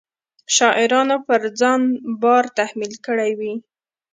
شاعرانو پر ځان بار تحمیل کړی وي.